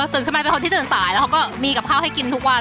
ตื่นขึ้นมาเป็นคนที่ตื่นสายแล้วเขาก็มีกับข้าวให้กินทุกวัน